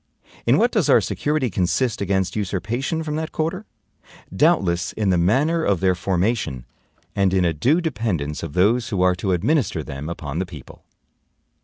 In what does our security consist against usurpation from that quarter? Doubtless in the manner of their formation, and in a due dependence of those who are to administer them upon the people.